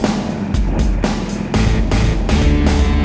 udah bocan mbak